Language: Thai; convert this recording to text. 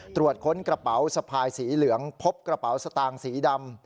ตรวจค้นกระเป๋าสะพายสีเหลืองพบกระเป๋าสตางค์สีดำ